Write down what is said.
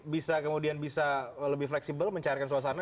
bisa kemudian bisa lebih fleksibel mencairkan suasana